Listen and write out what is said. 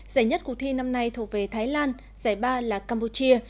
giải nhất cuộc thi năm nay thuộc về thái lan giải ba là campuchia